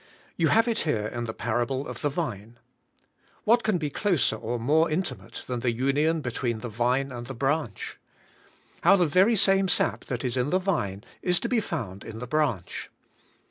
You have it here in the parable of the vine. What can be closer or more intimate than the union between the vine and the branch ? How the very same sap that is in the vine is to be found in the branch.